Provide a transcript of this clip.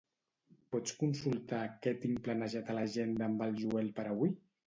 Pots consultar què tinc planejat a l'agenda amb el Joel per avui?